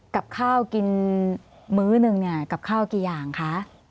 กับข้าวกินมื้อหนึ่งเนี่ยกับข้าวกี่อย่างคะ